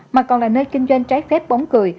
mà còn là nơi kinh doanh trái phép bóng cười